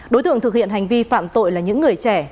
đối tượng thực hiện hành vi phạm tội là những người trẻ